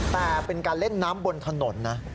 แต่เป็นการเล่นน้ำบนถนนนะ